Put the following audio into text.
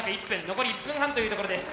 残り１分半というところです。